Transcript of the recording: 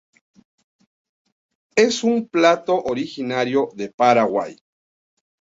Es un plato originario de Paraguay.